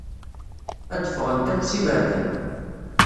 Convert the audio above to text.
Ad d-ffɣent akk s iberdan.